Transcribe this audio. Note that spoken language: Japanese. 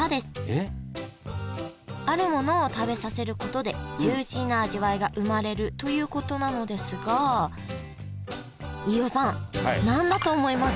あるものを食べさせることでジューシーな味わいが生まれるということなのですが飯尾さん何だと思いますか？